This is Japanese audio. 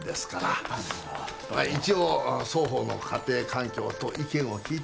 まあ一応双方の家庭環境と意見を聞いてですね